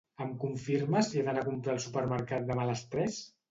Em confirmes si he d'anar a comprar al supermercat demà a les tres?